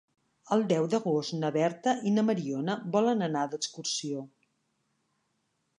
El deu d'agost na Berta i na Mariona volen anar d'excursió.